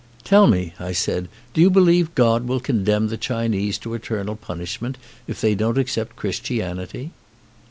"Tell me," I said, "do you believe God will con demn the Chinese to eternal punishment if they don't accept Christianity?"